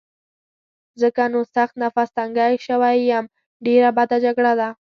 ځکه نو سخت نفس تنګی شوی یم، ډېره بده جګړه ده.